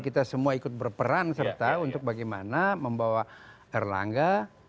kita semua ikut berperan serta untuk bagaimana membawa erlangga